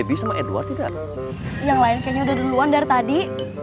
yang lain kayaknya udah duluan dari tadi